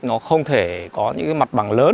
nó không thể có những cái mặt bằng lớn